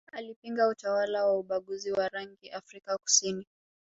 alipinga utawala wa ubaguzi wa rangi Afrika kusini